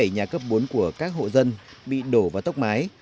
chín trăm bốn mươi bảy nhà cấp bốn của các hộ dân bị đổ và tốc mái